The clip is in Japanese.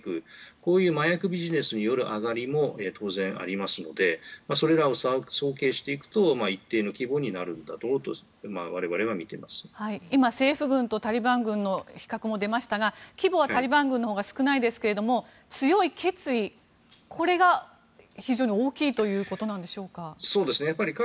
こういう麻薬ビジネスによる上がりも当然ありますのでそれらを総計していくと一定の規模になるんだろうと今、政府軍とタリバン軍の比較も出ましたが規模はタリバン軍のほうが少ないですけど強い決意、これが非常に大きいということでしょうか。